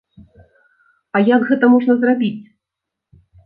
А як гэта можна зрабіць?